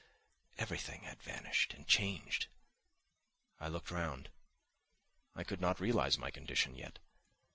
everything had vanished and changed! I looked round. I could not realise my condition yet.